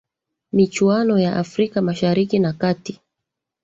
michuano ya afrika mashariki na kati